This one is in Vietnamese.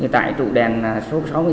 tại trụ đèn số sáu mươi tám